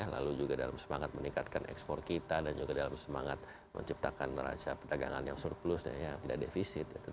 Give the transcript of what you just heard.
lalu juga dalam semangat meningkatkan ekspor kita dan juga dalam semangat menciptakan neraca perdagangan yang surplusnya yang tidak defisit